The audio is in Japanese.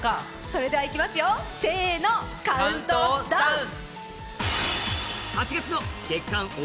それではいきますよ、せーの、カウントダウン！